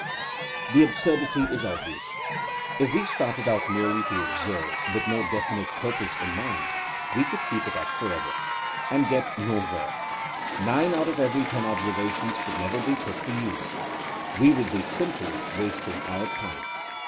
..• The absurdity is obvious. If we started out merely to observe, with no definite purpose in mind, we could keep it up forever. And get nowhere. Nine out of every ten observations would never be put to use. We would be sin fully wasting our time.